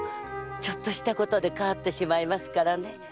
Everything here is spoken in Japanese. ちょっとしたことで変わってしまいますからね。